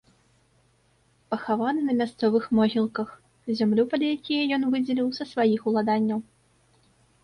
Пахаваны на мясцовых могілках, зямлю пад якія ён выдзеліў са сваіх уладанняў.